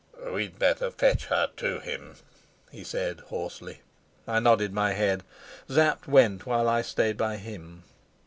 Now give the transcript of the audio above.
"We'd better fetch her to him," he said hoarsely. I nodded my head. Sapt went while I stayed by him.